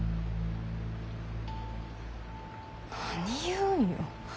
何言うんよ